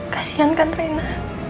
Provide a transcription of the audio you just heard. kasihan kan reina